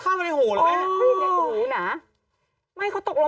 เข้าในหูหรอ